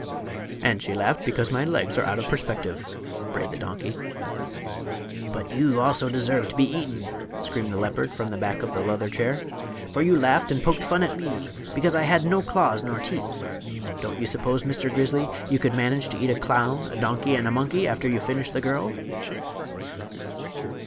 "And she laughed because my legs are out of perspective," brayed the donkey. "But you also deserve to be eaten," screamed the leopard from the back of the leather chair; "for you laughed and poked fun at me because I had no claws nor teeth! Don't you suppose Mr. Grizzly, you could manage to eat a clown, a donkey and a monkey after you finish the girl?"